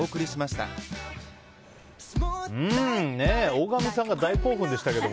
大神さんが大興奮でしたけど。